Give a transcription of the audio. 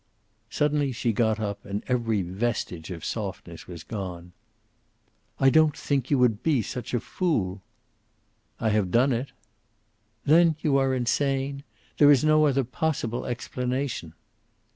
Suddenly she got up, and every vestige of softness was gone. "I don't think you would be such a fool." "I have done it." "Then you are insane. There is no other possible explanation."